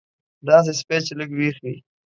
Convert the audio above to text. داسې سپی چې لږ وېښ وي.